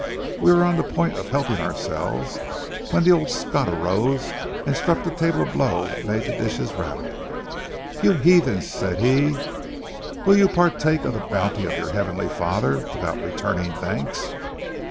We were on the point of helping ourselves, when the old Scot arose and struck the table a blow that made the dishes rattle. 'You heathens,' said he, 'will you partake of the bounty of your Heavenly Father without returning thanks?'